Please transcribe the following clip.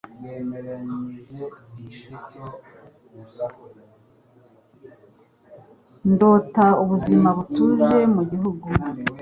Ndota ubuzima butuje mugihugu.